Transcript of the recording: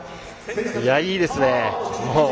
いいですね。